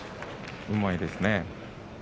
うまいですね。